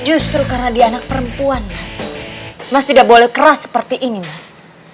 justru karena dia anak perempuan mas mas tidak boleh keras seperti ini mas